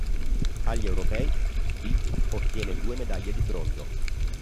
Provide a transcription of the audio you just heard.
Agli europei di ottiene due medaglie di bronzo.